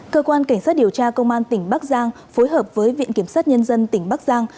cơ quan cảnh sát điều tra công an tỉnh bắc giang phối hợp với viện kiểm sát nhân dân tỉnh bắc giang